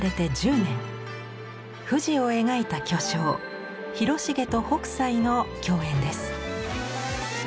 富士を描いた巨匠広重と北斎の共演です。